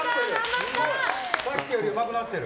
さっきよりうまくなってる！